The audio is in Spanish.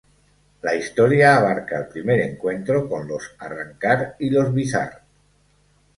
La historia abarca el primer encuentro con los Arrancar y los Vizard.